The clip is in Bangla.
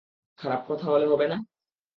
খারাপ কথা হলে হবে না?